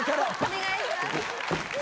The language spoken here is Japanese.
お願いします。